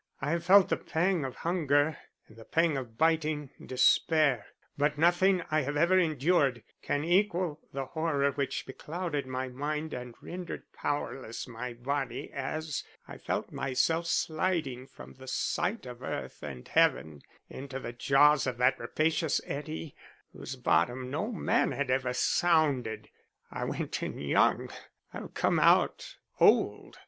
I have felt the pang of hunger and the pang of biting despair; but nothing I have ever endured can equal the horror which beclouded my mind and rendered powerless my body as I felt myself sliding from the sight of earth and heaven into the jaws of that rapacious eddy, whose bottom no man had ever sounded. "I went in young I have come out old.